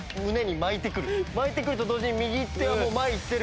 巻いてくると同時に右手はもう前いってる。